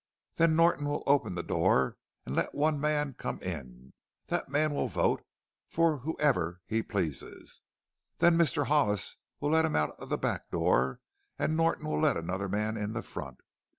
Then Norton will open the door and let one man come in. That man will vote for whoever he pleases. Then Mr. Hollis will let him out the back door and Norton will let another man in the front.